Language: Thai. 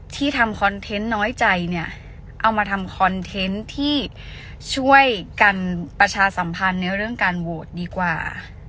ทำคอนเทนต์น้อยใจเนี่ยเอามาทำคอนเทนต์ที่ช่วยกันประชาสัมพันธ์ในเรื่องการโหวตดีกว่า